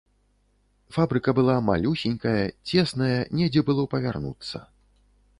Фабрыка была малюсенькая, цесная, недзе было павярнуцца.